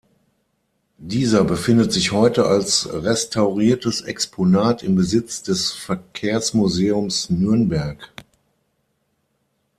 Dieser befindet sich heute als restauriertes Exponat im Besitz des Verkehrsmuseums Nürnberg.